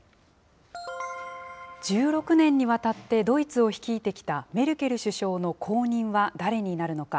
１６年にわたって、ドイツを率いてきたメルケル首相の後任は誰になるのか。